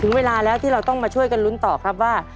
เวลาแล้วที่เราต้องมาช่วยกันลุ้นต่อครับว่า